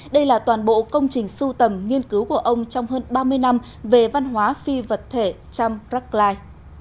đây là toàn bộ công trình sưu tầm nghiên cứu của ông trong hơn ba mươi năm về văn hóa phi vật thể trăm rắc lai